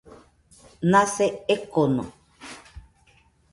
Nase ekono.